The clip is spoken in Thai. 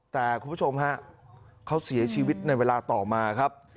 แต่คุณผู้ชมฮะเขาเสียชีวิตในเวลาต่อมาครับ